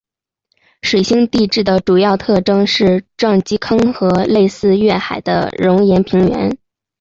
水星地质的主要特征是撞击坑和类似月海的熔岩平原。